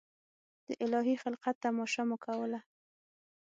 د الهي خلقت تماشه مو کوله.